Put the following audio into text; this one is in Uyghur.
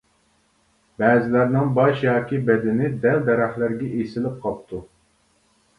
بەزىلەرنىڭ باش ياكى بەدىنى دەل-دەرەخلەرگە ئېسىلىپ قاپتۇ.